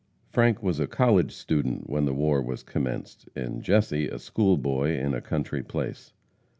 Frank was a college student when the war was commenced, and Jesse a school boy in a country place.